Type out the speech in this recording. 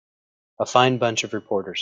A fine bunch of reporters.